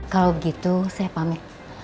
kalau begitu saya pamit